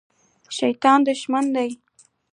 شیطان دښمن دی